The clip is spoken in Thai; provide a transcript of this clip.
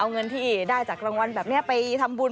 เอาเงินที่ได้จากรางวัลแบบนี้ไปทำบุญ